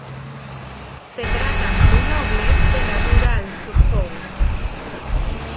Se tratan de nobles de la rural Suffolk.